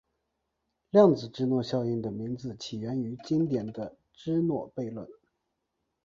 量子芝诺效应的名字起源于经典的芝诺悖论。